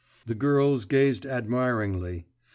The girls gazed admiringly.